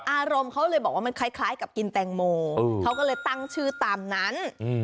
อารมณ์เขาเลยบอกว่ามันคล้ายกับกินแตงโมเขาก็เลยตั้งชื่อตามนั้น